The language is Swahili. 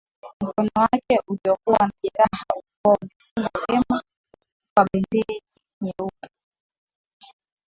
Mkono ake uliokuwa na jeraha ulikuwa umefungwa vema kwa bandeji nyeupe